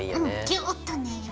ギューッとね。